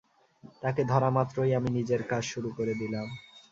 তাকে ধরা মাত্রই আমি নিজের কাজ শুরু করে দিলাম।